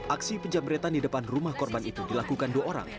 aksi penjamretan di depan rumah korban itu dilakukan dua orang